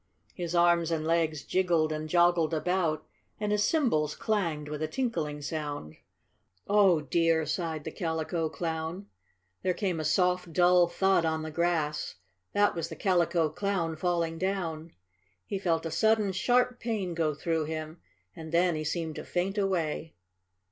His arms and legs jiggled and joggled about, and his cymbals clanged with a tinkling sound. "Oh, dear!" sighed the Calico Clown. There came a soft, dull thud on the grass. That was the Calico Clown falling down. He felt a sudden, sharp pain go through him, and then he seemed to faint away.